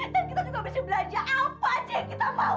dan kita juga bisa belanja apa saja yang kita mau